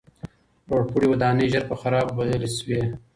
لوړپوړي ودانۍ ژر په خرابو بدلې سوې.